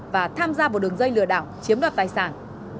và tham gia vào đường dây lừa đảo chiếm đoạt tài sản